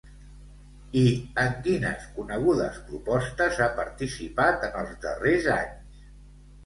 I en quines conegudes propostes ha participat en els darrers anys?